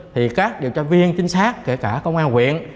thì các điều tra viên chính xác kể cả công an huyện